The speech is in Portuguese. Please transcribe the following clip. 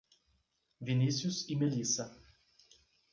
Vinicius e Melissa